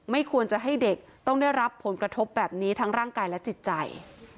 ควรจะให้เด็กต้องได้รับผลกระทบแบบนี้ทั้งร่างกายและจิตใจ